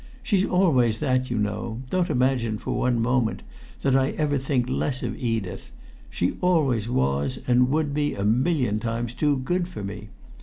She's always that, you know; don't imagine for one moment that I ever think less of Edith; she always was and would be a million times too good for me.